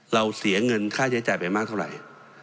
เสียเงินค่าใช้จ่ายไปมากเท่าไหร่